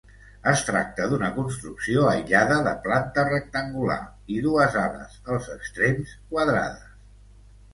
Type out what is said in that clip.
Es tracta d'una construcció aïllada de planta rectangular i dues ales als extrems, quadrades.